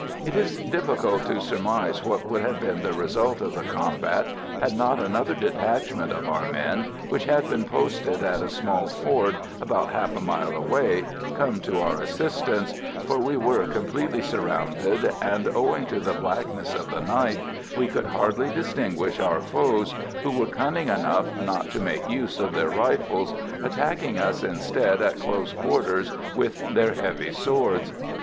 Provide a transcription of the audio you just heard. It is difficult to surmise what would have been the result of the combat had not another detachment of our men, which had been posted at a small ford about half a mile away, come to our assistance, for we were completely surrounded, and owing to the blackness of the night we could hardly distinguish our foes, who were cunning enough not to make use of their rifles, attacking us instead at close quarters with their heavy swords.